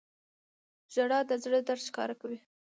• ژړا د زړه درد ښکاره کوي.